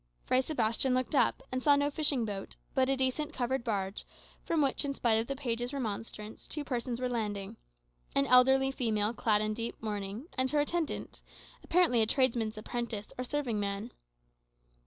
Fray Sebastian looked up, and saw no fishing boat, but a decent covered barge, from which, in spite of the page's remonstrance, two persons were landing: an elderly female clad in deep mourning, and her attendant, apparently a tradesman's apprentice, or serving man.